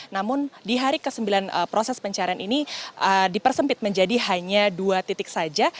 namun di hari ke sembilan proses pencarian ini dipersempit menjadi hanya dua titik saja